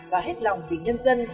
và hết lòng vì nhân dân